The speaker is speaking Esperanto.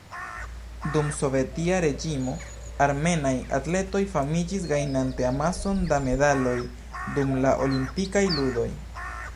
Dum sovetia reĝimo, armenaj atletoj famiĝis gajnante amason da medaloj dum la Olimpikaj Ludoj.